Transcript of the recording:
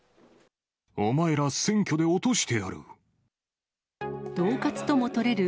お前ら選挙で落としてやる。